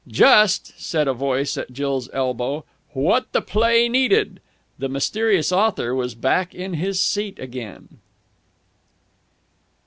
"Just," said a voice at Jill's elbow, "what the play needed!" The mysterious author was back in his seat again.